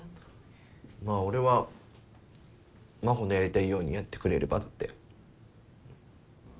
まあ俺は真帆のやりたいようにやってくれればって。